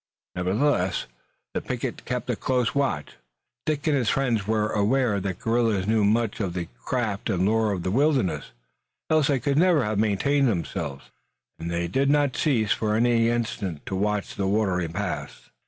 Nevertheless, the picket kept a close watch. Dick and his friends were aware that guerrillas knew much of the craft and lore of the wilderness, else they could never have maintained themselves, and they did not cease for an instant to watch the watery pass.